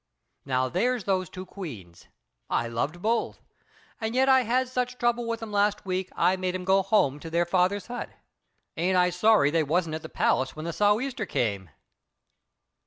Now, there's those two queens. I loved both, and yet I had such trouble with 'em last week I made 'em go home to their father's hut. Ain't I sorry they wasn't at the palace when the sou'easter came!